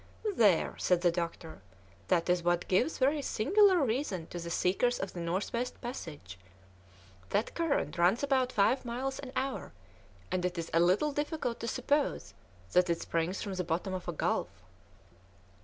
"There," said the doctor, "that is what gives very singular reason to the seekers of the North West passage! That current runs about five miles an hour, and it is a little difficult to suppose that it springs from the bottom of a gulf."